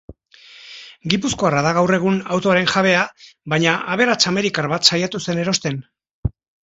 Gipuzkoarra da gaur egun autoaren jabea baina aberats amerikar bat saiatu zen erosten.